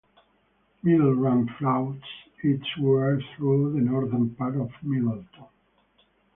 Middle Run flows eastward through the northern part of Millerstown.